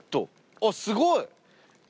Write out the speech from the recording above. あっすごい！